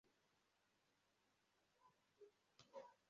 Umugabo uri kuri moto yubururu ategereje mumodoka kumuhanda uhuze